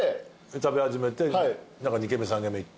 食べ始めて２軒目３軒目行って。